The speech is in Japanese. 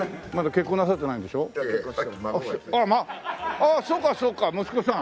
あっそうかそうか息子さん。